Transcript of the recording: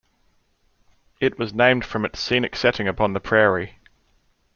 It was named from its scenic setting upon the prairie.